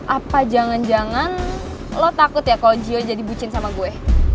apa jangan jangan lo takut ya kalau jio jadi bucin sama gue